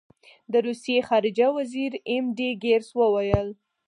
د روسیې خارجه وزیر ایم ډي ګیرس وویل.